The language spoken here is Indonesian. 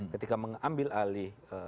ketika mengambil alih